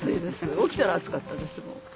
起きたら暑かったです、もう。